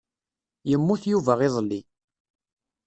Yemmut Yuba iḍelli.